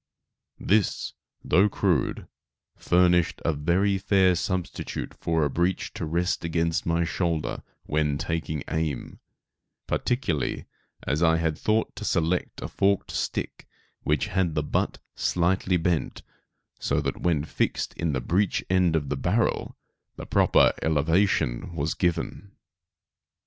This, though crude, furnished a very fair substitute for a breech to rest against my shoulder when taking aim, particularly as I had thought to select a forked stick which had the butt slightly bent so that, when fixed in the breech end of the barrel, the proper elevation was given.